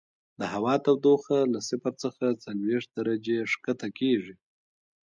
د هوا تودوخه له صفر څخه څلوېښت درجې ښکته کیږي